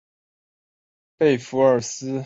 贝费尔斯特是德国下萨克森州的一个市镇。